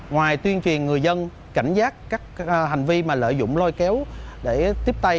ngoài tuyên truyền người dân cảnh giác các hành vi lợi dụng lôi kéo để tiếp tay